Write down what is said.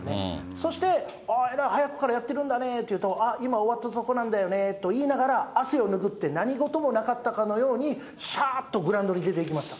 そして、えらい早くからやってるんだねっていうと、ああ、今終わったとこなんだよねと言いながら、汗をぬぐって何事もなかったかのように、しゃーっとグラウンドに出ていきました。